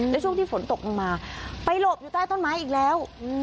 และช่วงที่ฝนตกลงมาไปหลบอยู่ใต้ต้นไม้อีกแล้ว